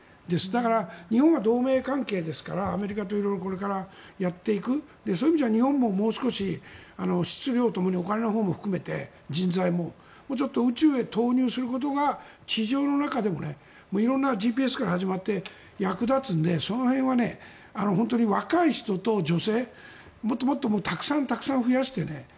だから、日本が同盟関係ですからアメリカとこれからやっていくそういう意味では日本ももう少し質量ともにお金のほうも含めて人材も、もうちょっと宇宙へ投入することが地上の中でも色んなＧＰＳから始まって役立つのでその辺は、本当に若い人と女性もっともっとたくさん増やして。